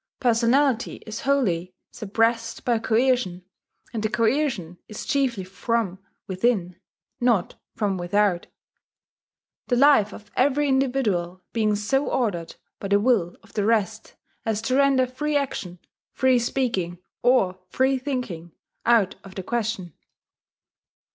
Personality is wholly suppressed by coercion; and the coercion is chiefly from within, not from without, the life of every individual being so ordered by the will of the rest as to render free action, free speaking, or free thinking, out of the question.